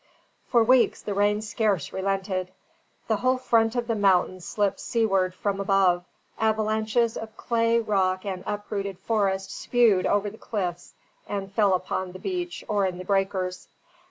For weeks the rain scarce relented. The whole front of the mountain slipped seaward from above, avalanches of clay, rock, and uprooted forest spewed over the cliffs and fell upon the beach or in the breakers.